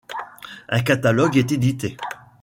Un catalogue est édité.